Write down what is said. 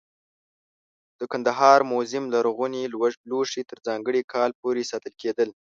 د کندهار موزیم لرغوني لوښي تر ځانګړي کال پورې ساتل کېدل.